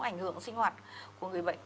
ảnh hưởng sinh hoạt của người bệnh